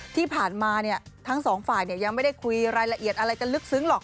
ที่ผ่านมาทั้งสองฝ่ายยังไม่ได้คุยรายละเอียดอะไรกันลึกซึ้งหรอก